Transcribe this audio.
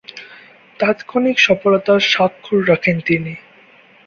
তাৎক্ষণিক সফলতার স্বাক্ষর রাখেন তিনি।